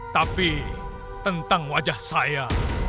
tapi tentang wajah saya